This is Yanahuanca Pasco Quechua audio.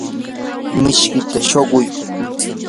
mishkita shuquy.